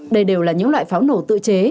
đây đều là những loại pháo nổ tự chế